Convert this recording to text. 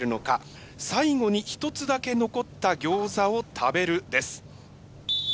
「最後に一つだけ残ったギョーザを食べる」です。